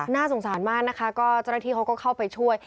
น่าสงสารมากนะคะก็เจ้าหน้าที่เขาก็เข้าไปช่วย